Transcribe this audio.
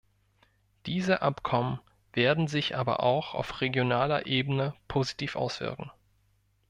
Diese Abkommen werden sich aber auch auf regionaler Ebene positiv auswirken.